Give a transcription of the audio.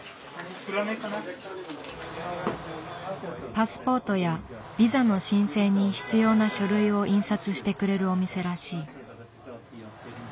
パスポートやビザの申請に必要な書類を印刷してくれるお店らしい。